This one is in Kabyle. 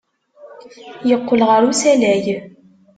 Yeqqel ɣer usalay.